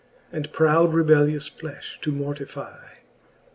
And proud rebellious flefh to mortify.